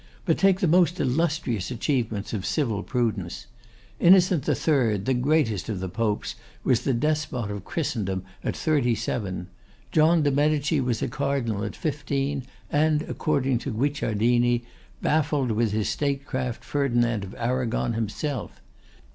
But take the most illustrious achievements of civil prudence. Innocent III., the greatest of the Popes, was the despot of Christendom at thirty seven. John de Medici was a Cardinal at fifteen, and according to Guicciardini, baffled with his statecraft Ferdinand of Arragon himself.